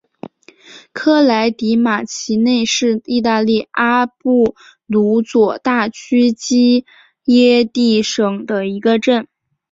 科莱迪马奇内是意大利阿布鲁佐大区基耶蒂省的一个镇。